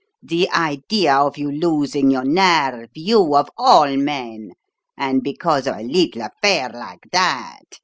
"The idea of you losing your nerve, you of all men, and because of a little affair like that.